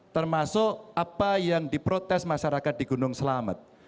termasuk apa yang diprotes masyarakat di gunung selamet